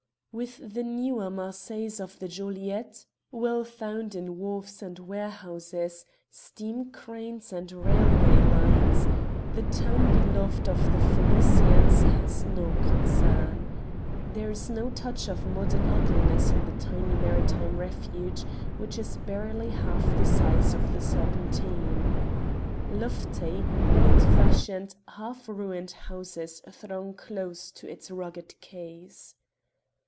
With the newer Marseilles of the Joliette well found in wharfs and warehouses, steam cranes and railway lines the town beloved of the Phoenicians has no concern. There is no touch of modern ugliness in the tiny maritime refuge which is barely half the size of the Serpentine. Lofty, old fashioned, half ruined houses throng close to its rugged quays.